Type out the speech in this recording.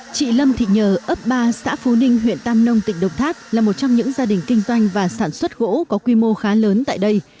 chị lâm thị nhờ ấp ba xã phú ninh huyện tam nông tỉnh đồng tháp là một trong những gia đình kinh doanh và sản xuất gỗ có quy mô khá lớn tại đây